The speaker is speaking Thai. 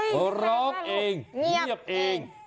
เพราะร้องเองเงียบเอง